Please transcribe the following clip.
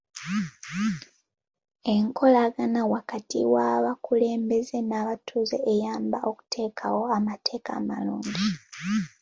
Enkolagana wakati w'abakulembeze n'abatuuze eyamba okuteekawo amateeka amalungi.